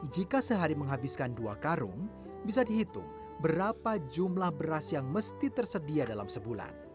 jika sehari menghabiskan dua karung bisa dihitung berapa jumlah beras yang mesti tersedia dalam sebulan